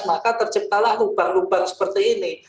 maka terciptalah lubang lubang seperti ini